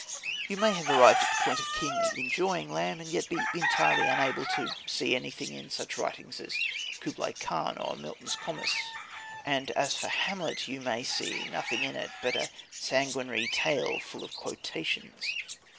You may have arrived at the point of keenly enjoying Lamb and yet be entirely unable to "see anything in" such writings as Kubla Khan or Milton's Comus; and as for Hamlet you may see nothing in it but a sanguinary tale "full of quotations."